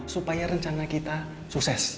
supaya rencana kita sukses